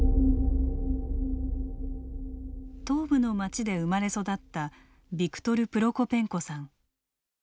東部の街で生まれ育ったビクトル・プロコペンコさん。